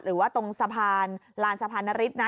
หรือว่าตรงสะพานลานสะพานนฤทธินะ